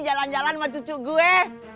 jalan jalan sama cucu gue